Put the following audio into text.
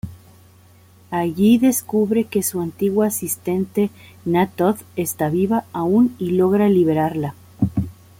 Allí descubre que su antigua asistente Na’Thoth está viva aún y logra liberarla.